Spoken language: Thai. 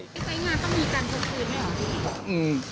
ใกล้งานต้องมีกันทั้งคืนไหมครับ